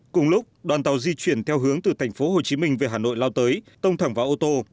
cùng lúc đoàn tàu di chuyển theo hướng từ thành phố hồ chí minh về hà nội lao tới tông thẳng vào ô tô